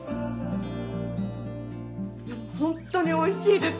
本当においしいです。